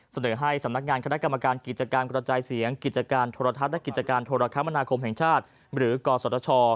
เสนอให้สำนักงานคณะกรรมการกิจการกระจายเสียงกิจการโทรทัศน์และกิจการโทรคมนาคมแห่งชาติหรือกศช